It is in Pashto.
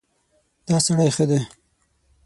دا سړی ښه دی.